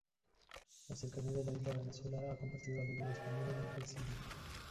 La cercanía de la isla a Venezuela ha convertido al idioma español en imprescindible.